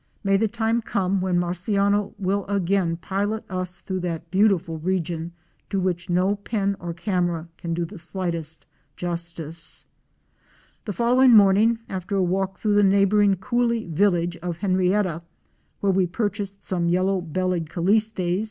May the time come when Marciano will again pilot us through that beautiful region to which no pen or camera can do the slightest justice! The following morning after a walk through the neighbor ing coolie village of Henrietta, where we purchased some Yellow bellied Callistes